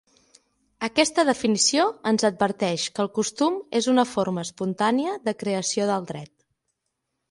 Aquesta definició ens adverteix que el costum és una forma espontània de creació del dret.